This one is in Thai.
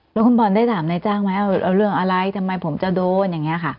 แล้วคุณบอลได้ถามนายจ้างไหมเอาเรื่องอะไรทำไมผมจะโดนอย่างนี้ค่ะ